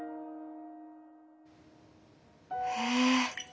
へえ。